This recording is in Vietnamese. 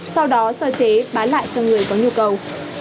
sau đó sơ chế bán lại cho người có nhu cầu